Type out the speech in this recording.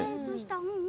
どうした？